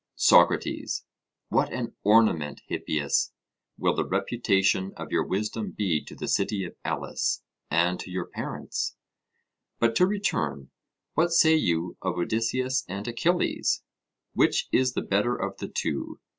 SOCRATES: What an ornament, Hippias, will the reputation of your wisdom be to the city of Elis and to your parents! But to return: what say you of Odysseus and Achilles? Which is the better of the two?